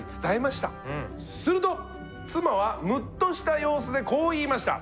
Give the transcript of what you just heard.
すると妻はムッとした様子でこう言いました。